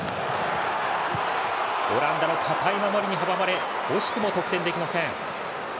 オランダの堅い守りに阻まれ惜しくも得点できません。